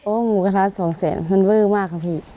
หมูกระทะสองแสนมันเวอร์มากค่ะพี่